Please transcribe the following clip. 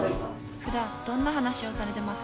ふだん、どんな話をされてま